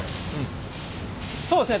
そうですね